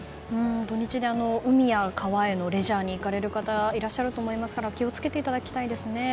土日で海や川へのレジャーに行かれる方いらっしゃると思いますから気を付けていただきたいですね。